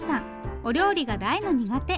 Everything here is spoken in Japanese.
お料理が大の苦手。